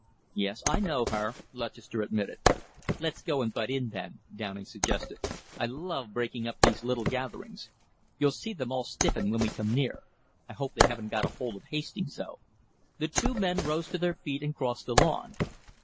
"Yes, I know her," Lutchester admitted. "Let's go and butt in, then," Downing suggested. "I love breaking up these little gatherings. You'll see them all stiffen when we come near. I hope they haven't got hold of Hastings, though." The two men rose to their feet and crossed the lawn.